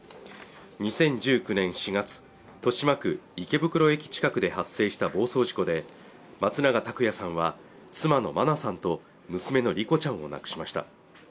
２０１９年４月豊島区池袋駅近くで発生した暴走事故で松永拓也さんは妻の真菜さんと娘の莉子ちゃんを亡くしました